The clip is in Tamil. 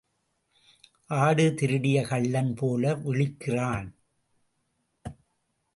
ஆடு திருடிய கள்ளன் போல விழிக்கிறான்.